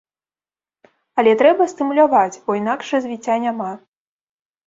Але трэба стымуляваць, бо інакш развіцця няма.